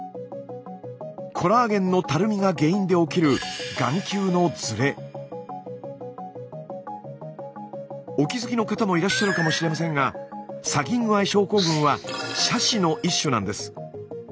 コラーゲンのたるみが原因で起きるお気づきの方もいらっしゃるかもしれませんがサギングアイ症候群は斜視の一種なんです。